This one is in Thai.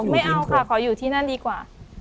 ไม่เอาค่ะขออยู่ที่นั่นดีกว่า